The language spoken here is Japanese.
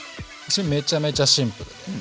めちゃめちゃシンプルです。